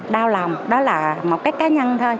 đau lòng đó là một cái cá nhân thôi